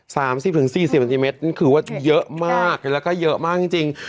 ๓๐๔๐เซนติเมตรนั่นคือว่าเยอะมากแล้วก็เยอะมากจริง